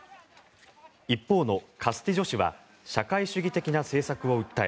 一方のカスティジョ氏は社会主義的な政策を訴え